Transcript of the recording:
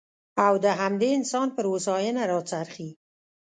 او د همدې انسان پر هوساینه راڅرخي.